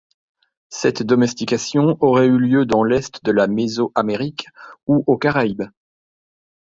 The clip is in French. Cette domestication aurait eu lieu dans l'est de la Mésoamérique ou aux Caraïbes.